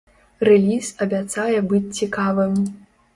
Рэліз абяцае быць цікавым.